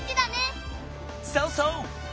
そうそう！